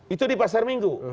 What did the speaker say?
itu di pasar minggu